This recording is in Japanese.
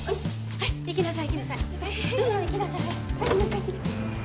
早く行きなさい。